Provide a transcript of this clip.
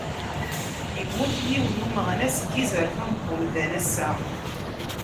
Immut yiwen n umeɣnas n yizerfan n umdan ass-a.